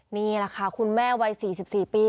นี่แหละค่ะคุณแม่วัยสี่สิบสี่ปี